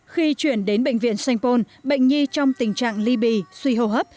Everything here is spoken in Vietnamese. khi chuyển đến bệnh viện sanh pôn bệnh nhi trong tình trạng ly bì suy hô hấp